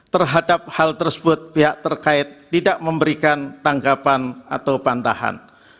terhadap hal tersebut pihak terkait tidak memberikan tanggapan atau bantahan